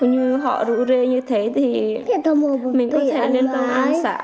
hình như họ rũ rê như thế thì mình có thể lên công an xã